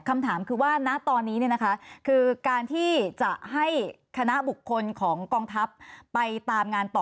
คำถามคือว่าณตอนนี้คือการที่จะให้คณะบุคคลของกองทัพไปตามงานต่อ